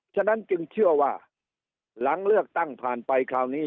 ฉะนั้นจึงเชื่อว่าหลังเลือกตั้งผ่านไปคราวนี้